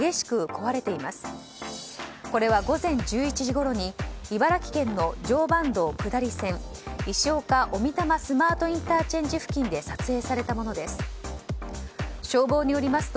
これは午前１１時ごろに茨城県の常磐道下り線石岡小美玉スマートＩＣ付近で撮影されたものです。